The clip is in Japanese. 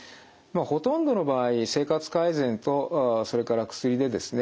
ほとんどの場合生活改善とそれから薬でですね